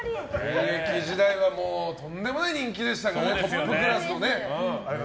現役時代はとんでもない人気でしたからねトップクラスのね。